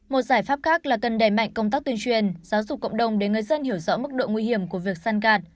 một giải pháp khác là cần đẩy mạnh công tác tuyên truyền giáo dục cộng đồng để người dân hiểu rõ mức độ nguy hiểm của việc săn gạt